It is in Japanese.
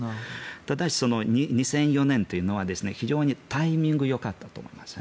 ただ、２００４年というのは非常にタイミングがよかったと思います。